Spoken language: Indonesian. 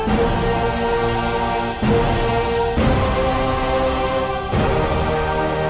pusat terlalu jauh